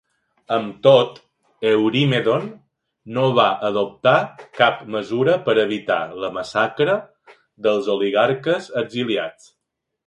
Amb tot, Eurymedon no va adoptar cap mesura per evitar la massacre dels oligarques exiliats.